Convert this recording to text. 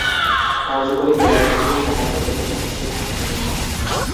কার্যকরী বোলার হিসেবেও সম্যক প্রতিভার স্বাক্ষর রেখেছেন তিনি।